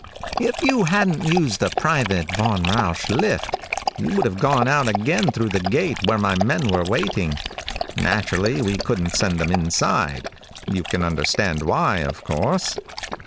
"If you hadn't used the private Von Rausch lift, you would have gone out again through the gate, where my men were waiting. Naturally we couldn't send them inside. You can understand why, of course."